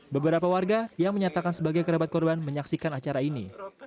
beberapa warga yang menyatakan sebagai kerabat korban menyaksikan acara ini